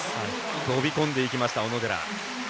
飛び込んでいきました、小野寺。